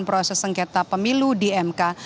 proses sengketa pemilu di mk